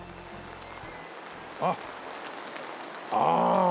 あっあぁ！